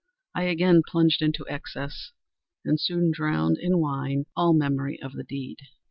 I again plunged into excess, and soon drowned in wine all memory of the deed.